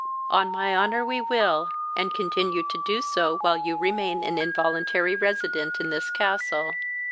"On my honour we will, and continue to do so while you remain an involuntary resident in this castle."